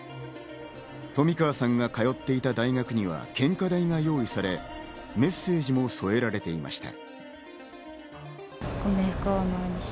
冨川さんが通っていた大学には献花台が用意され、メッセージも添えられていました。